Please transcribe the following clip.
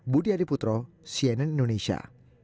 budi adiputro cnn indonesia